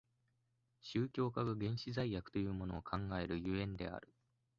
宗教家が原始罪悪というものを考える所以である。